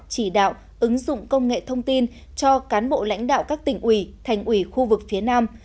chỉ đạo ứng dụng công nghệ thông tin cho cán bộ lãnh đạo các tỉnh ủy thành ủy khu vực phía nam